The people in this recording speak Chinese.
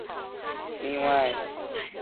另外有一部份被外国博物馆收藏。